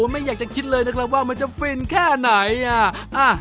ไม่อยากจะคิดเลยนะครับว่ามันจะฟินแค่ไหนอ่ะ